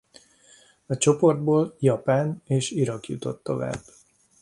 A csoportból Japán és Irak jutott tovább.